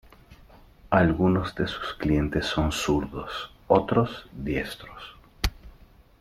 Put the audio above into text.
Algunos de sus clientes son zurdos; otros, diestros.